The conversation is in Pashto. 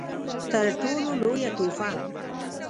تر ټولو لويه تحفه